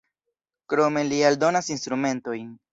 Krome li aldonas instrumentojn.